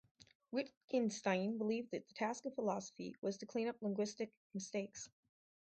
Wittgenstein believed that the task of philosophy was to clean up linguistic mistakes.